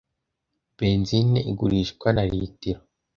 Benzine igurishwa na litiro.